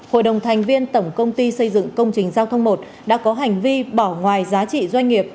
hội đồng thành viên tổng công ty xây dựng công trình giao thông một đã có hành vi bỏ ngoài giá trị doanh nghiệp